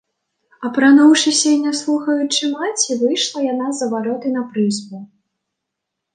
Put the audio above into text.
Апрануўшыся і не слухаючы маці, выйшла яна за вароты на прызбу.